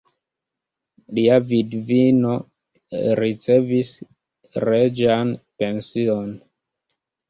Lia vidvino ricevis reĝan pension.